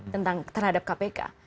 tentang terhadap kpk